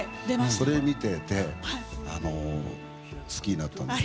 それを見てて好きになったんです。